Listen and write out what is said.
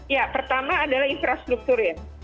ya pertama adalah infrastruktur ya